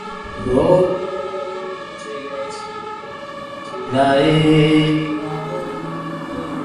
তিনি মুফতি ও শিক্ষক ছিলেন।